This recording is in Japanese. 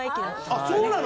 あっそうなの？